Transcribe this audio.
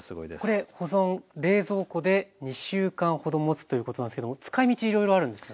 これ保存冷蔵庫で２週間ほどもつということなんですけども使いみちいろいろあるんですよね？